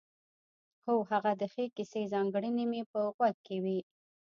هو هغه د ښې کیسې ځانګړنې مې په غوږ کې وې.